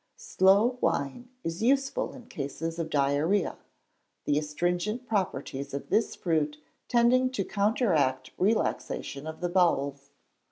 Sloe wine is useful in cases of diarrhoea, the astringent properties of this fruit tending to counteract relaxation of the bowels.